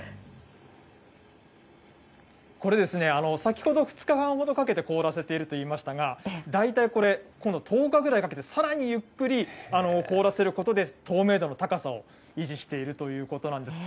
これですね、先ほど２日半ほどかけて凍らせていると言いましたが、大体これ、１０日ぐらいかけてさらにゆっくり凍らせることで、透明度の高さを維持しているということなんです。